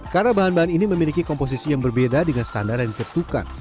karena bahan bahan ini memiliki komposisi yang berbeda dengan standar yang diketukan